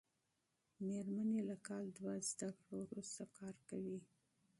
مېرمن یې له کال دوه زده کړو وروسته کار کوي.